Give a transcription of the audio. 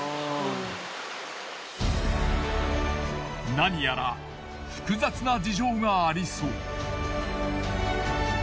何やら複雑な事情がありそう。